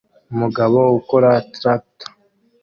Umugabo ukora traktor